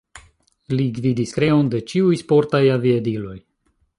Li gvidis kreon de ĉiuj sportaj aviadiloj.